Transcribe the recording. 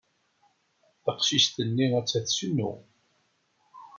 Taqcict-nni atta tcennu.